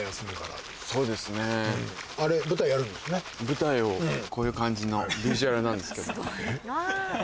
舞台をこういう感じのビジュアルなんですけど。